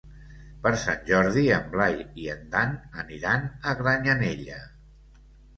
Per Sant Jordi en Blai i en Dan aniran a Granyanella.